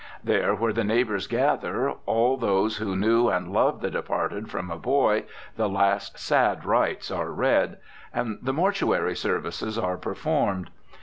There where the neighbours gather, all those who knew and loved the departed from a boy, the "last sad rites are read," and the "mortuary services are performed."